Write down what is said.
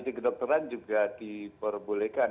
di kedokteran juga diperbolehkan